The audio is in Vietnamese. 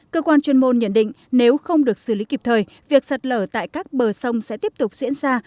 cơ quan chuyên môn nhận định nếu không được xử lý kịp thời việc sạt lở tại các bờ sông sẽ tiếp tục diễn ra